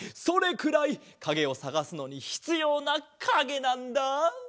それくらいかげをさがすのにひつようなかげなんだ！